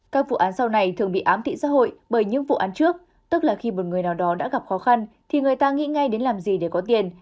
các vụ án sau này thường bị ám thị xã hội bởi những vụ án trước tức là khi một người nào đó đã gặp khó khăn thì người ta nghĩ ngay đến làm gì để có tiền